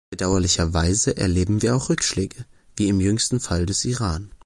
Bedauerlicherweise erleben wir auch Rückschläge, wie im jüngsten Fall des Iran.